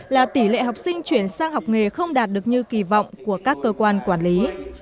là tỷ lệ học sinh chuyển sang học nghề không đạt được như kỳ vọng của các cơ quan quản lý